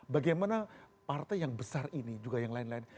bagaimana partai yang besar ini juga yang lain lain